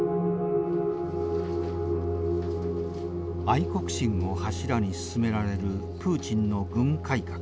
愛国心を柱に進められるプーチンの軍改革。